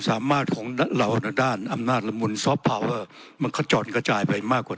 สามารถของเราด้านอำนาจละมุนมันขจรกระจายไปมากกว่า